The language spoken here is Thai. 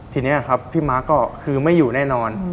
ทีนี้พี่มาร์คก็คือไม่อยู่แน่นอน